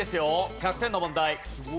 １００点の問題。